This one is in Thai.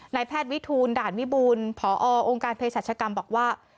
แพทย์วิทูลด่านวิบูรณ์พอองค์การเพศรัชกรรมบอกว่า